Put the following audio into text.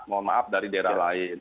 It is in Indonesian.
mohon maaf dari daerah lain